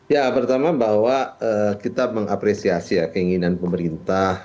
ya pertama bahwa kita mengapresiasi ya keinginan pemerintah